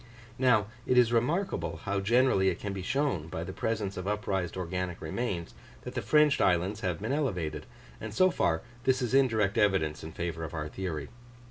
Now, it is remarkable how generally it can be shown, by the presence of upraised organic remains, that the fringed islands have been elevated: and so far, this is indirect evidence in favour of our theory.